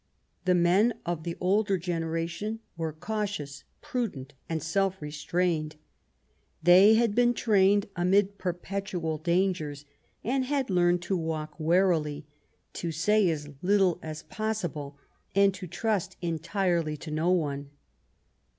The men of the older generation were cautious, prudent and self restrained. They had been trained amid perpetual dangers, and had learned to walk warily, to say as little as possible, and to trust entirely to no one.